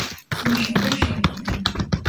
წლის შემდეგ შეიქმნა.